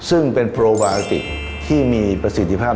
ซึ่งเป็นโปรวาสติกที่มีประสิทธิภาพ